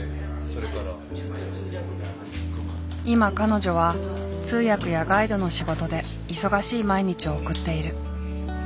今彼女は通訳やガイドの仕事で忙しい毎日を送っている。